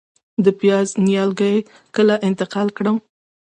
د پیاز نیالګي کله انتقال کړم؟